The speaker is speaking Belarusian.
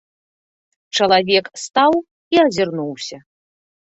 Чалавек стаў і азірнуўся.